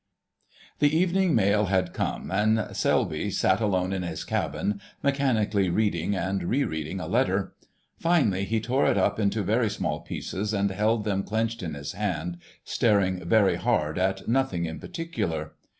* The evening mail had come, and Selby sat alone in his cabin mechanically reading and re reading a letter. Finally he tore it up into very small pieces and held them clenched in his hand, staring very hard at nothing in particular.